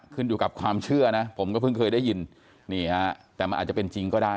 ขึ้นอยู่กับความเชื่อนะผมก็เพิ่งเคยได้ยินนี่ฮะแต่มันอาจจะเป็นจริงก็ได้